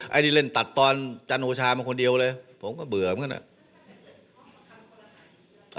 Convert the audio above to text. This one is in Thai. อันนี้เล่นตัดตอนจันโอชามาคนเดียวเลยผมก็เบื่อเหมือนกันอ่ะ